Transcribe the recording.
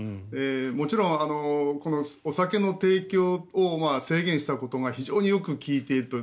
もちろんお酒の提供を制限したことが非常によく効いているという